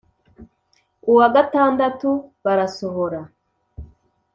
Uwa gatandatu barasohora